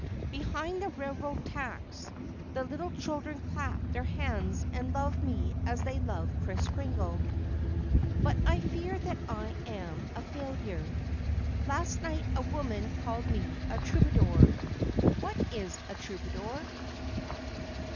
Behind the railroad tracks the little children clap their hands and love me as they love Kris Kringle. But I fear that I am a failure. Last night a woman called me a troubadour. What is a troubadour?